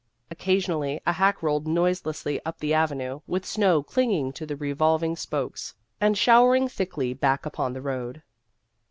Oc casionally a hack rolled noiselessly up the avenue, with snow clinging to the revolv ing spokes and showering thickly back upon the road.